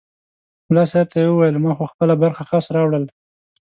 ملا صاحب ته یې وویل ما خو خپله برخه خس راوړل.